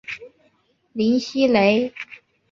林熙蕾。